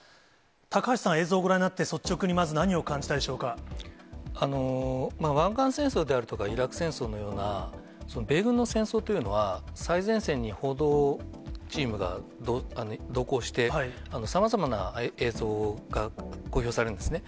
高橋さん、映像をご覧になって率湾岸戦争であるとかイラク戦争のような、米軍の戦争というのは、最前線に報道チームが同行して、さまざまな映像が公表されるんですね。